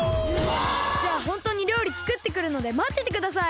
じゃあホントにりょうり作ってくるのでまっててください。